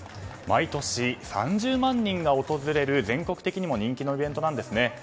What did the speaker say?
毎年、３０万人が訪れる全国的にも人気のイベントなんですね。